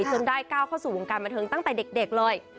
จนได้ก้าวเข้าสู่วงการบันเทิงตั้งแต่เด็กเลย